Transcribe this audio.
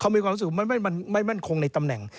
มีความรู้สึกว่าไม่มั่นคงในตำแหน่ง